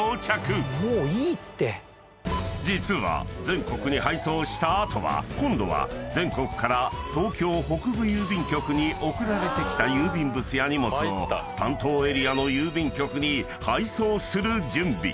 ［実は全国に配送した後は今度は全国から東京北部郵便局に送られてきた郵便物や荷物を担当エリアの郵便局に配送する準備］